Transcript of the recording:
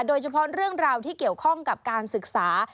โดยเฉพาะเรื่องราวที่เกี่ยวข้องกับการศึกษา